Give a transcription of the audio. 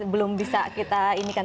belum bisa kita inikan